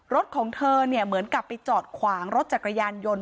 รถของเธอเนี่ยเหมือนกับไปจอดขวางรถจักรยานยนต์